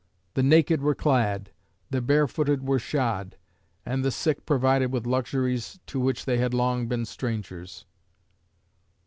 The naked were clad, the barefooted were shod, and the sick provided with luxuries to which they had long been strangers.